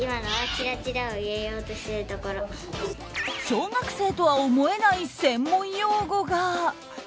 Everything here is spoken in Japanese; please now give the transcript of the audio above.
小学生とは思えない専門用語が。